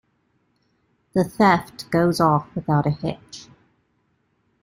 The theft goes off without a hitch.